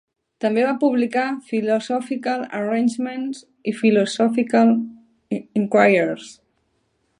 També va publicar "Philosophical Arrangements" i "Philological Inquiries".